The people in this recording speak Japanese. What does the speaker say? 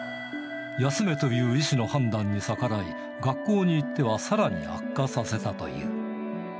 休めと言う医師の判断に逆らい、学校に行ってはさらに悪化させたという。